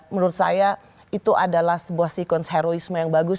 menurut saya itu adalah sebuah siklus heroisme yang bagus